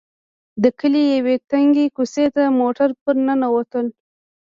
د کلي يوې تنګې کوڅې ته موټر ور ننوتلو.